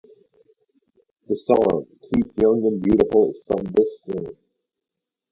The song "Keep Young and Beautiful" is from this film.